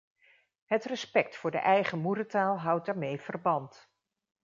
Het respect voor de eigen moedertaal houdt daarmee verband.